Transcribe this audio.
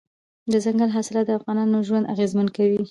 دځنګل حاصلات د افغانانو ژوند اغېزمن کوي.